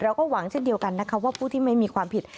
เราก็หวังเช่นเดียวกันนะคะว่าผู้ที่ไม่มีความผิด